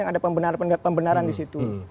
ada pembenaran di situ